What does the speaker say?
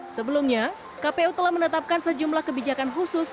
sebelumnya kpu telah menetapkan sejumlah kebijakan khusus